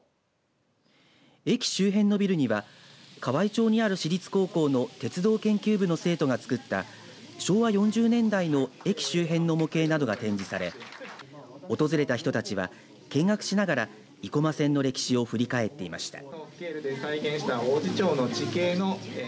駅周辺のビルには河合町にある私立高校の鉄道研究部の生徒が作った昭和４０年代の駅周辺の模型などが展示され訪れた人たちは見学しながら生駒線の歴史を振り返っていました。